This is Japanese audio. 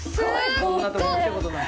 こんなとこ見たことない。